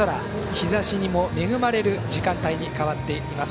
日ざしにも恵まれる時間帯に変わっています。